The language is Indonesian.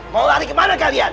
mau lari kemana kalian